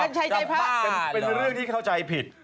กัญชัยใจพระเป็นเรื่องที่เข้าใจผิด